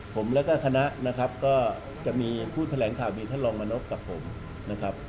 ผมแล้วก็คณะนะครับก็จะมีผู้แถลงข่าวมีท่านรองมานพกับผมนะครับ